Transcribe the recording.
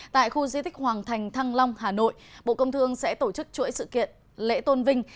tại khu di tích hoàng thành thăng long hà nội bộ công thương sẽ tổ chức chuỗi sự kiện lễ tôn vinh